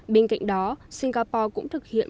bên cạnh đó singapore cũng thực hiện